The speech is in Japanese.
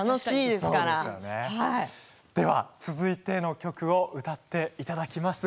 では続いての曲を歌っていただきます。